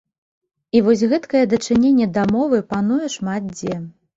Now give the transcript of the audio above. І вось гэткае дачыненне да мовы пануе шмат дзе.